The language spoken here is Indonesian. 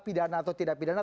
pidana atau tidak pidana